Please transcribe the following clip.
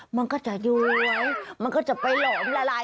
มันก็จะย้วยมันก็จะไปหลอมละลาย